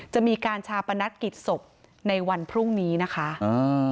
จะมีการชาปนกิจศพในวันพรุ่งนี้นะคะอ่า